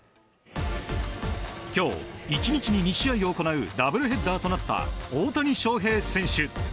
今日、１日に２試合を行うダブルヘッダーとなった大谷翔平選手。